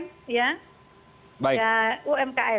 di antaranya juga umkm